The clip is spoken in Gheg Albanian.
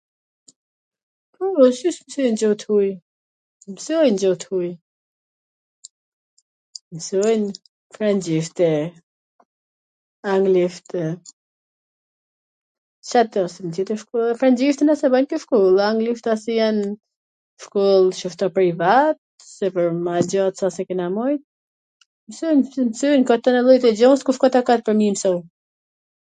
Poo, si s msojn gjuh t huj? Msojn gju t huj, msojn frwngjisht e anglisht e, Cato, se frwngjishten e bajn te shkolla, anglishten se jan shkoll qashtu privat, se pwr me e majt gja Ca s e kena majt, msojn nga tana llojet e gjas kush ka takat pwr me i msu...